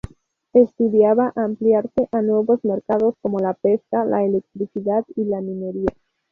Estudiaba ampliarse a nuevos mercados como la pesca, la electricidad y la minería.